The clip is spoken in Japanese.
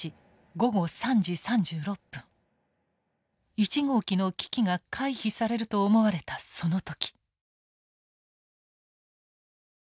１号機の危機が回避されると思われたその時。